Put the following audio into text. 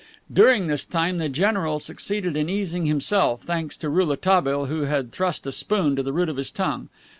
During this time the general succeeded in easing himself, thanks to Rouletabille, who had thrust a spoon to the root of his tongue.